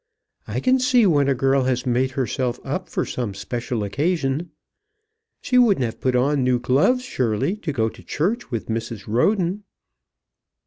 I can see when a girl has made herself up for some special occasion. She wouldn't have put on new gloves surely to go to church with Mrs. Roden."